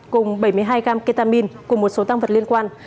cùng bảy mươi hai gram ketamin cùng một số tăng vật liên quan